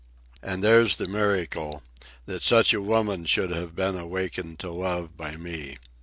And there's the miracle—that such a woman should have been awakened to love by me.